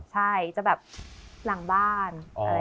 ใช่จะแบบหลังบ้าน